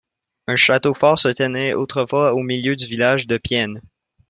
Un château-fort se tenait autrefois au milieu du village de Piennes.